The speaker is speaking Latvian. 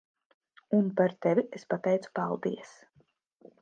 Un par tevi es pateicu paldies.